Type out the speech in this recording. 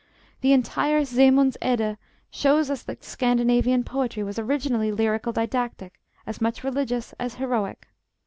The entire Sämunds Edda shows us that Scandinavian poetry was originally lyrical didactic, as much religious as heroic.